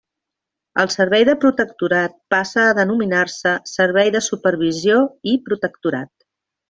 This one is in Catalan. El Servei de Protectorat passa a denominar-se Servei de Supervisió i Protectorat.